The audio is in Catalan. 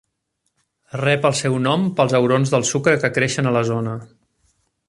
Rep el seu nom pels aurons del sucre que creixen a la zona.